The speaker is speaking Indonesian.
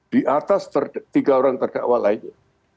di atas tiga orang terdakwa lainnya